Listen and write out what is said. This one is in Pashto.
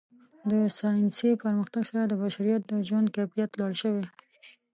د ساینسي پرمختګ سره د بشریت د ژوند کیفیت لوړ شوی.